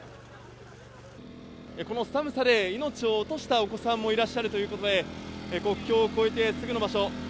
この寒さで命を落としたお子さんもいらっしゃるということで国境を越えてすぐの場所